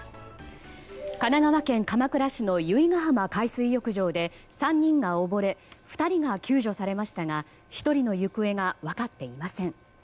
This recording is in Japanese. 神奈川県鎌倉市の由比ガ浜海水浴場で３人が溺れ２人が救助されましたが１人の行方が分かっていません。